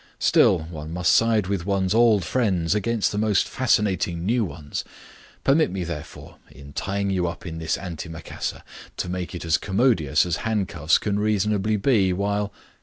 Still one must side with one's old friends against the most fascinating new ones. Permit me, therefore, in tying you up in this antimacassar, to make it as commodious as handcuffs can reasonably be while..."